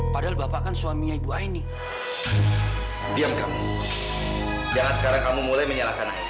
sampai jumpa di video selanjutnya